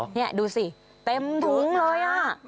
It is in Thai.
นี่ดูสิเต็มถุงเลย